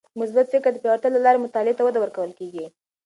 د مثبت فکر د پیاوړتیا له لارې مطالعې ته وده ورکول کیږي.